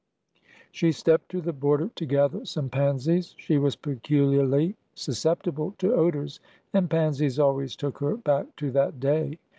She stepped to the border to gather some pansies. She was peculiarly susceptible to odors, and pansies always took her back to that day.